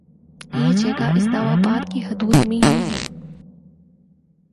یہ جگہ اسلام آباد کی حدود میں ہی ہے